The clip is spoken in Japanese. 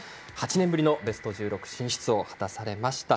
８年ぶりのベスト１６進出を果たされました。